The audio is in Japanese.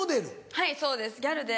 はいそうですギャルで。